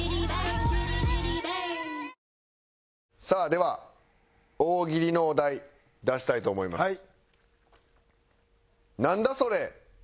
さあでは大喜利のお題出したいと思います。